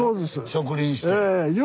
植林して。